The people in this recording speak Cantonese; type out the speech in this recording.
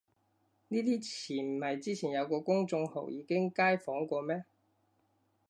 呢啲詞唔係之前有個公眾號已經街訪過咩